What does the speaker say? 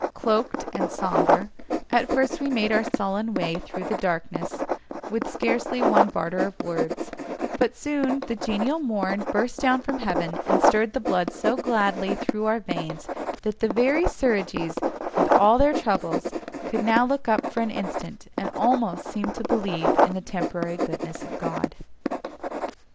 Cloaked, and sombre, at first we made our sullen way through the darkness, with scarcely one barter of words, but soon the genial morn burst down from heaven, and stirred the blood so gladly through our veins, that the very Suridgees, with all their troubles, could now look up for an instant, and almost seem to believe in the temporary goodness of God.